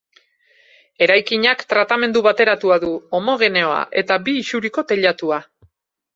Eraikinak tratamendu bateratua du, homogeneoa, eta bi isuriko teilatua.